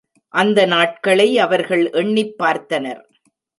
அந்த நாட்களை அவர்கள் எண்ணிப் பார்த்தனர்.